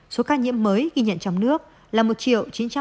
số ca nhiễm mới ghi nhận trong nước là một chín trăm linh tám ba trăm năm mươi ba ca